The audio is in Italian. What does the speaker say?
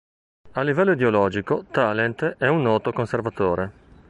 A livello ideologico, Talent è un noto conservatore.